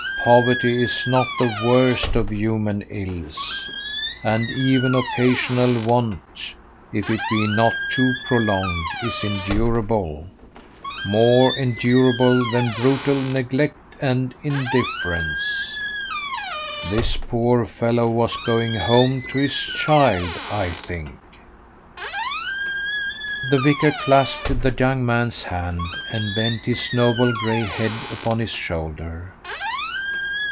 "Poverty is not the worst of human ills, and even occasional want, if it be not too prolonged, is endurable more endurable than brutal neglect and indifference. This poor fellow was going home to his child, I think?" The vicar clasped the young man's hand, and bent his noble gray head upon his shoulder.